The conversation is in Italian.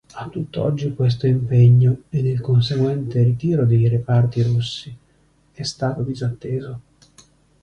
A tutt'oggi questo impegno, ed il conseguente ritiro dei reparti russi, è stato disatteso.